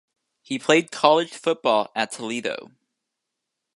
He played college football at Toledo.